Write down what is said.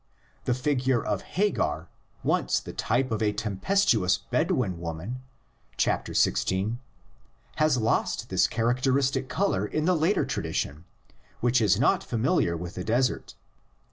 The figure of Hagar, once the type of a tempestuous Bedouin woman (xvi.) has lost this characteristic color in the later tradition, which was not familiar with the desert.